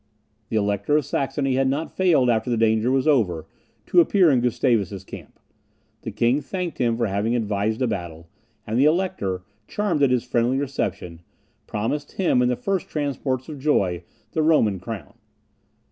The Elector of Saxony had not failed, after the danger was over, to appear in Gustavus's camp. The king thanked him for having advised a battle; and the Elector, charmed at his friendly reception, promised him, in the first transports of joy, the Roman crown.